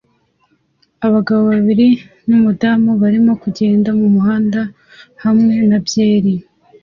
Abagabo babiri numudamu barimo kugenda mumuhanda hamwe na byeri